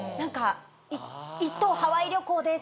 １等ハワイ旅行です！